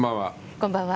こんばんは。